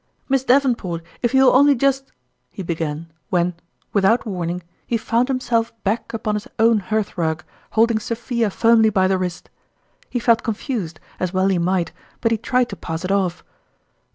"Miss Davenport, if you will only just ..." he began, when, without warning, he found himself back upon his own hearth rug, holding Sophia firmly by the wrist ! He felt confused, as well he might, but he tried to pass it off.